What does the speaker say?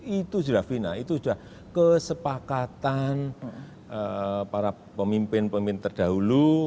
itu sudah final itu sudah kesepakatan para pemimpin pemimpin terdahulu